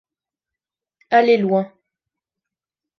Aller loin.